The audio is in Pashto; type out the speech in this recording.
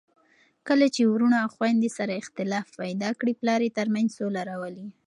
کله چي وروڼه او خويندې سره اختلاف پیدا کړي، پلار یې ترمنځ سوله راولي.